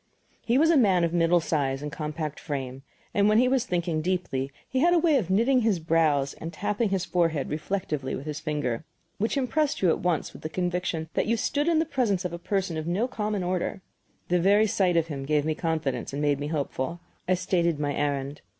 He was a man of middle size and compact frame, and when he was thinking deeply he had a way of kniting his brows and tapping his forehead reflectively with his finger, which impressed you at once with the conviction that you stood in the presence of a person of no common order. The very sight of him gave me confidence and made me hopeful. I stated my errand.